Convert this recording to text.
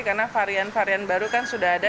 karena varian varian baru kan sudah ada